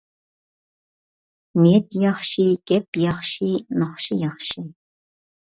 نىيەت ياخشى، گەپ ياخشى، ناخشا ياخشى.